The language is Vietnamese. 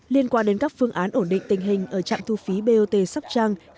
liên quan đến các phương án ổn định tình hình ở trạm thu phí bot sóc trăng